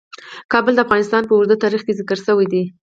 کابل د افغانستان په اوږده تاریخ کې ذکر شوی دی.